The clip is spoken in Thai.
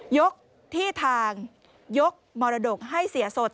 ยกที่ทางยกมรดกให้เสียสด